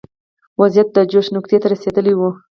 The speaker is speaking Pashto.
وضعیت د جوش نقطې ته رسېدلی و.